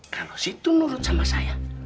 kalau situ nurut sama saya